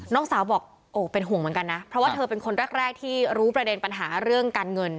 น้องสาวบอกโอ้เป็นห่วงเหมือนกันนะเพราะว่าเธอเป็นคนแรกที่รู้ประเด็นปัญหาเรื่องการเงิน